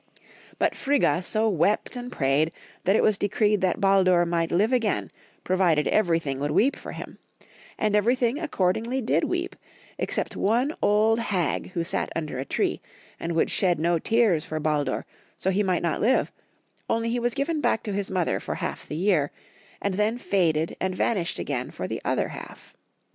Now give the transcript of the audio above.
But Frigga so wept and prayed that it was decreed that Baldur might live again provided everything would weep for him; and everything accordingly did weep, except one old hag who sat under a tree, and would shed no tears for Baldur, so he might not live, only he was given back to his mother for half the year, and then faded and van ished again for the other half.